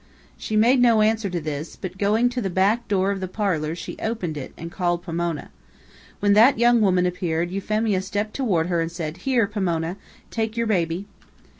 She made no answer to this, but going to the back door of the parlor she opened it and called Pomona. When that young woman appeared, Euphemia stepped toward her and said: "Here, Pomona, take your baby."